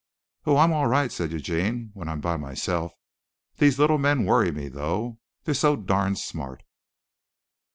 "Oh, I'm all right," said Eugene, "when I'm by myself. These little men worry me, though. They are so darned smart."